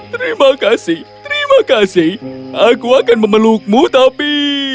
terima kasih terima kasih aku akan memelukmu tapi